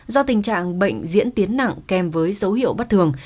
do tình trạng bệnh diễn tiến nặng kèm với dấu hiệu bất thường